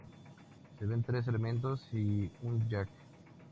Se ven tres elementos y un jack.